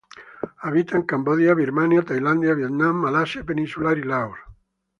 Habita en Camboya, Birmania, Tailandia, Vietnam, Malasia Peninsular y Laos.